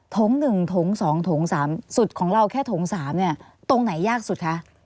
ถงหนึ่งถงสองถงสามสุดของเราแค่ถงสามตรงไหนยากสุดคะ